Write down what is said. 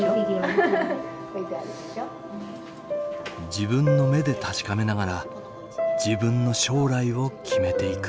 自分の目で確かめながら自分の将来を決めていく。